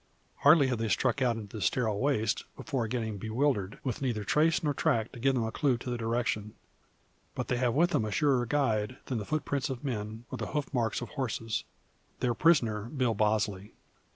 Hardly have they struck out into the sterile waste, before getting bewildered, with neither trace nor track to give them a clue to the direction. But they have with them a surer guide than the foot prints of men, or the hoof marks of horses their prisoner Bill Bosley.